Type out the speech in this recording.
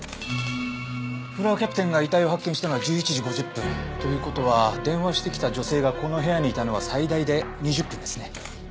フロアキャプテンが遺体を発見したのは１１時５０分。という事は電話してきた女性がこの部屋にいたのは最大で２０分ですね。